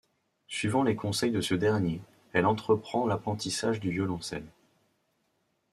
Suivant les conseils de ce dernier, elle entreprend l'apprentissage du violoncelle.